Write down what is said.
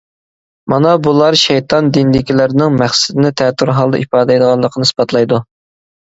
مانا بۇلار شەيتان دىنىدىكىلەرنىڭ مەقسىتىنى تەتۈر ھالدا ئىپادىلەيدىغانلىقىنى ئىسپاتلايدۇ.